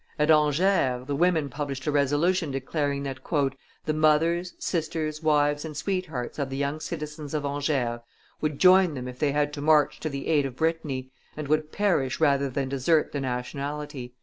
At Angers, the women published a resolution declaring that "the mothers, sisters, wives, and sweethearts of the young citizens of Angers would join them if they had to march to the aid of Brittany, and would perish rather than desert the nationality."